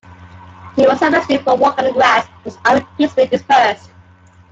He was arrested for walking on the grass and his army peacefully dispersed.